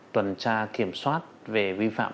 tuần tra kiểm soát về vi phạm